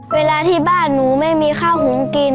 เวลาที่บ้านหนูไม่มีข้าวหงกิน